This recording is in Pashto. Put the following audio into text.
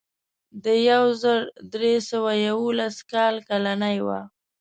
د یو زر درې سوه یوولس کال کالنۍ وه.